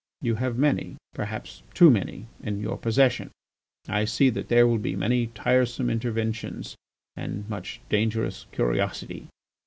You have many, perhaps too many, in your possession. I see that there will be many tiresome interventions and much dangerous curiosity.